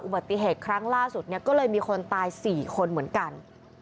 อุบัติเหตุครั้งล่าสุดเนี่ยก็เลยมีคนตาย๔คนเหมือนกัน